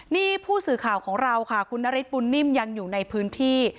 นี่ผู้สื่อข่าวของเราค่ะคุณนฤทธบุญนิ่มยังอยู่ในพื้นที่